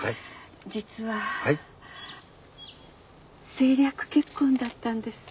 政略結婚だったんです。